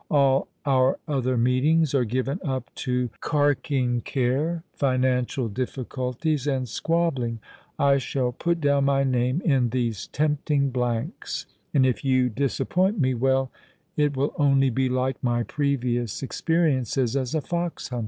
All our other meetings are given up to cark ing care, financial difficulties, and squabbling. I shall put down my name in these tempting blanks, and if you dis appoint me — well — it will only be like my previous expe riences as a fox hunter."